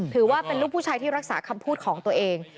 ถือว่าเป็นลูกผู้ชายที่รักษาคำพูดของตัวเอง